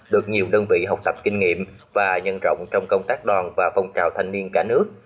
được nhiều đơn vị học tập kinh nghiệm và nhân rộng trong công tác đoàn và phong trào thanh niên cả nước